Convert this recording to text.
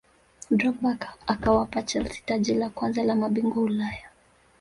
drogba akawapa chelsea taji la kwanza la mabingwa ulaya